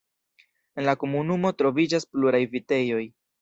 En la komunumo troviĝas pluraj vitejoj.